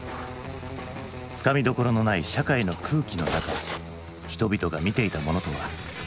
つかみどころのない社会の空気の中人々が見ていたものとは。